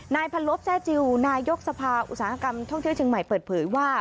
พันลบแซ่จิลนายกสภาอุตสาหกรรมท่องเที่ยวเชียงใหม่เปิดเผยว่า